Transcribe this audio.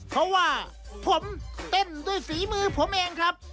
เพราะว่าผมเต้นด้วยฝีมือผมเองครับ